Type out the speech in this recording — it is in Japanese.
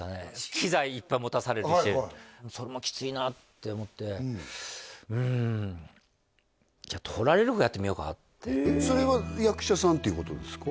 機材いっぱい持たされるしそれもきついなって思ってうんそれは役者さんっていうことですか？